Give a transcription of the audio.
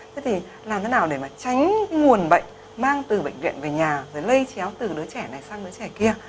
thế thì làm thế nào để mà tránh nguồn bệnh mang từ bệnh viện về nhà rồi lây chéo từ đứa trẻ này sang đứa trẻ kia